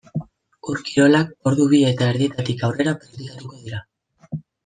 Ur-kirolak ordu bi eta erdietatik aurrera praktikatuko dira.